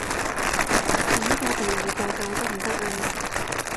搵過第二個教得唔得啊？